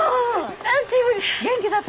久しぶり元気だった？